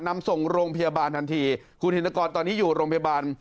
นำส่งโรงพยาบาลทันทีคุณธินกรตอนนี้อยู่โรงพยาบาล